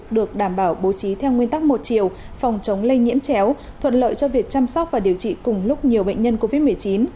được đảm bảo bố trí theo nguyên tắc một chiều phòng chống lây nhiễm chéo thuận lợi cho việc chăm sóc và điều trị cùng lúc nhiều bệnh nhân covid một mươi chín